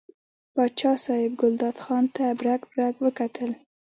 پاچا صاحب ګلداد خان ته برګ برګ وکتل.